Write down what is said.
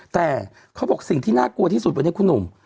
แต่เขาบอกสิ่งที่น่ากลัวที่สุดวันนี้คุณหนุ่ม